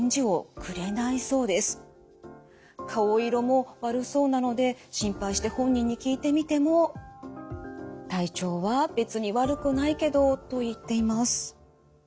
顔色も悪そうなので心配して本人に聞いてみても「体調は別に悪くないけど」と言っています。